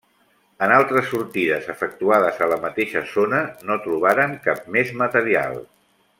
En altres sortides efectuades a la mateixa zona no trobaren cap més material.